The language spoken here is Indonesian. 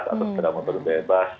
atau sepeda motor bebas